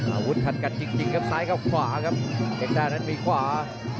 อาวุธตรังกัดจริงครับซ้ายเข้าขวากับเหล็กด้านนั้นมีขวา